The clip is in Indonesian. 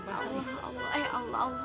allah allah eh allah